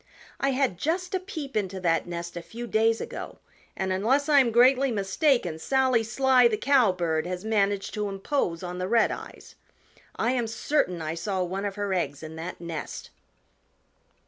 I had just a peep into that nest a few days ago and unless I am greatly mistaken Sally Sly the Cowbird has managed to impose on the Redeyes. I am certain I saw one of her eggs in that nest."